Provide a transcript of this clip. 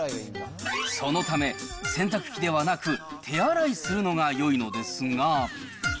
そのため、洗濯機ではなく、手洗いするのがよいのですが。